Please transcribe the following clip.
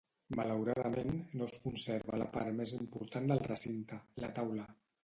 Malauradament, no es conserva la part més important del recinte: la taula.